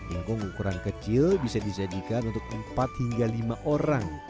ingkong ukuran kecil bisa disajikan untuk empat hingga lima orang